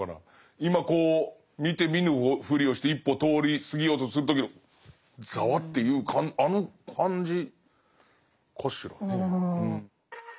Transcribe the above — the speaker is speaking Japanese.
今こう見て見ぬふりをして一歩通り過ぎようとする時のざわっていうあの感じかしらね。